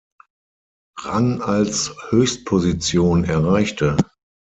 Rang als Höchstposition erreichte.